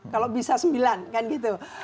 kalau bisa sembilan kan gitu